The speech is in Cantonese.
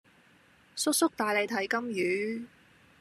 叔叔帶你睇金魚